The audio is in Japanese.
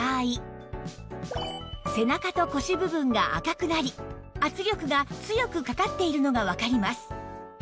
背中と腰部分が赤くなり圧力が強くかかっているのがわかります